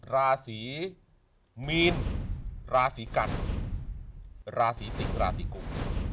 ราศีมีนราศีกันราศีสิงราศีกุม